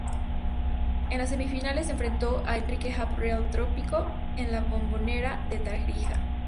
En las semifinales se enfrentó a Enrique Happ-Real Trópico en La Bombonera de Tarija.